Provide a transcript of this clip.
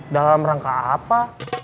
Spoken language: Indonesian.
dalam rangka apa